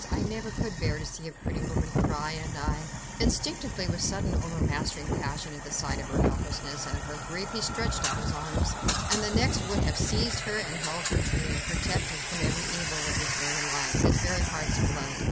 ... I never could bear to see a pretty woman cry, and I ..." Instinctively, with sudden, overmastering passion, at sight of her helplessness and of her grief, he stretched out his arms, and the next, would have seized her and held her to him, protected from every evil with his very life, his very heart's blood.